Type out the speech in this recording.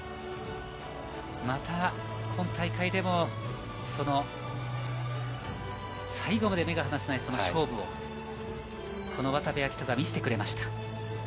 また今大会でも最後まで目が離せない勝負を渡部暁斗が見せてくれました。